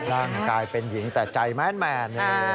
ร่างกายเป็นหญิงแต่ใจแมน